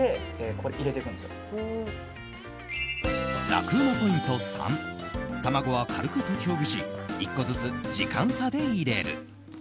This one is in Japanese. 楽ウマポイント３卵は軽く溶きほぐし１個ずつ時間差で入れる。